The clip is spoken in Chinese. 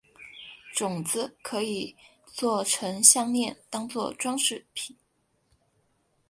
种子可以作成项炼当作装饰品。